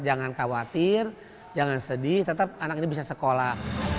jangan khawatir jangan sedih tetap anak ini bisa sekolah